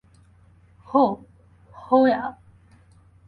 হো, হোয়া!